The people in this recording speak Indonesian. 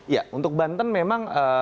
ya untuk banten memang